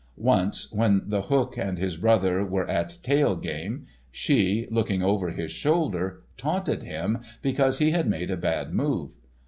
Once when The Hook and his brother were at tail game, she, looking over his shoulder, taunted him because he had made a bad move.